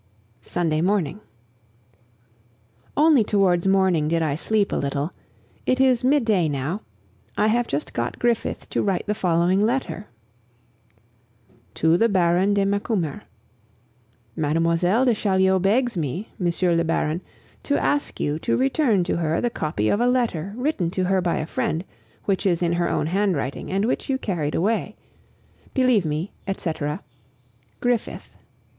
Sunday Morning. Only towards morning did I sleep a little. It is midday now. I have just got Griffith to write the following letter: "To the Baron de Macumer. "Mademoiselle de Chaulieu begs me, Monsieur le Baron, to ask you to return to her the copy of a letter written to her by a friend, which is in her own handwriting, and which you carried away. Believe me, etc., "GRIFFITH."